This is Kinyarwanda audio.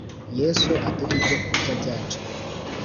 Yesu uduhe ibyo kurya byacu